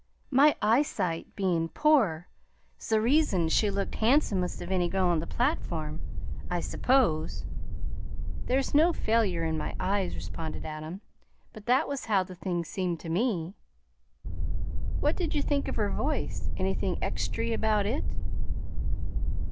"My eyesight bein' poor 's the reason she looked han'somest of any girl on the platform, I s'pose?" "There's no failure in my eyes," responded Adam, "but that was how the thing seemed to me!" "What did you think of her voice? Anything extry about it?"